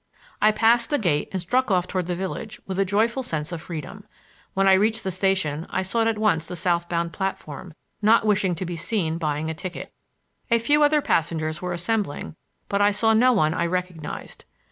I passed the gate and struck off toward the village with a joyful sense of freedom. When I reached the station I sought at once the south bound platform, not wishing to be seen buying a ticket. A few other passengers were assembling, but I saw no one I recognized.